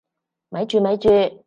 咪住咪住！